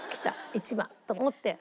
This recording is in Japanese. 一番と思って。